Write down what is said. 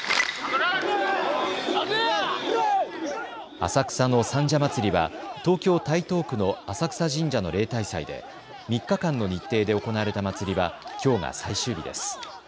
浅草の三社祭は東京台東区の浅草神社の例大祭で３日間の日程で行われた祭りはきょうが最終日です。